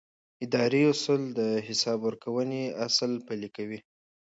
اداري اصول د حساب ورکونې اصل پلي کوي.